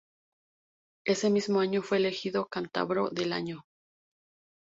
Ese mismo año fue elegido "Cántabro del año".